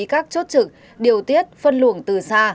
các chốt trực điều tiết phân luồng từ xa